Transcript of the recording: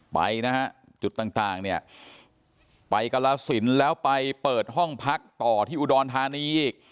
ไปนะฮะจุดต่างเนี่ยไปกรสินแล้วไปเปิดห้องพักต่อที่อุดรธานีอีก